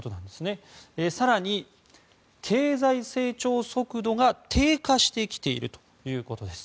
更に、経済成長速度が低下してきているということです。